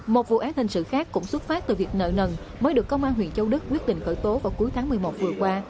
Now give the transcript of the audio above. một vụ án hình sự khác cũng xuất phát từ việc nợ nần mới được công an huyện châu đức quyết định khởi tố vào cuối tháng một mươi một vừa qua